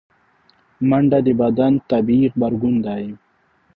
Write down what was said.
منډه د بدن طبیعي غبرګون دی